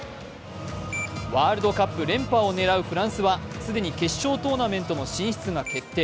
ワールドカップ連覇を狙うフランスは既に決勝トーナメントの進出が決定。